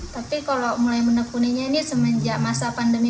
tapi kalau mulai menekuninya ini semenjak masa pandemi